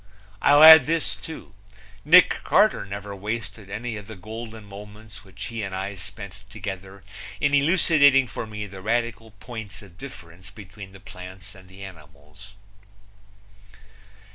I'll add this too: Nick Carter never wasted any of the golden moments which he and I spent together in elucidating for me the radical points of difference between the plants and the animals.